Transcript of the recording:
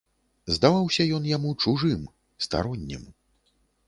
Здаваўся ён яму чужым, староннім.